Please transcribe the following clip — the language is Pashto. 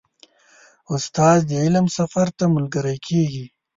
استاد د علم سفر ته ملګری کېږي.